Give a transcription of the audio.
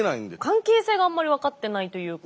関係性があんまり分かってないというか。